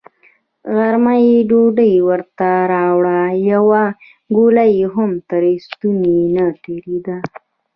غرمه يې ډوډۍ ورته راوړه، يوه ګوله يې هم تر ستوني نه تېرېده.